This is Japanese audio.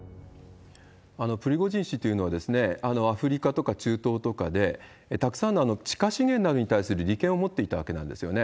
プリゴジン氏というのは、アフリカとか中東とかで、たくさんの地下資源などに対する利権を持っていたわけなんですよね。